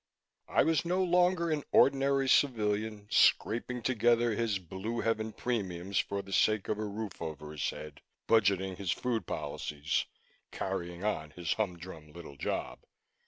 I was no longer an ordinary civilian, scraping together his Blue Heaven premiums for the sake of a roof over his head, budgeting his food policies, carrying on his humdrum little job.